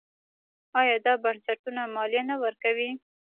آیا دا بنسټونه مالیه نه ورکوي؟